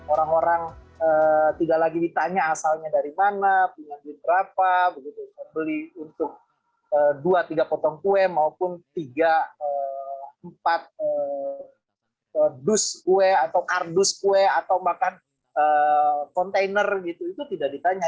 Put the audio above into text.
orang orang tidak lagi ditanya asalnya dari mana punya duit berapa saya beli untuk dua tiga potong kue maupun tiga empat dus kue atau kardus kue atau makan kontainer gitu itu tidak ditanya